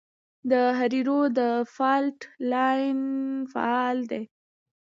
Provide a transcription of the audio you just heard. د هریرود فالټ لاین فعال دی